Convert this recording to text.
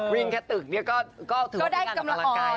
วิ่งแค่ตึกเนี่ยก็ถือกวิธีกันกับกำลังกาย